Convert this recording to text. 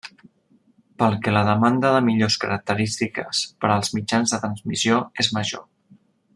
Pel que la demanda de millors característiques per als mitjans de transmissió és major.